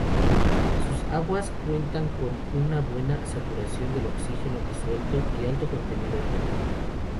Sus aguas cuentan con una buena saturación del oxígeno disuelto y alto contenido orgánico.